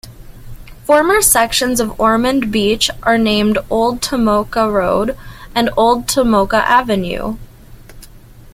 Former sections in Ormond Beach are named "Old Tomoka Road" and "Old Tomoka Avenue.